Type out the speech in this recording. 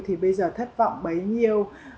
thì bây giờ thất vọng bấy nhiêu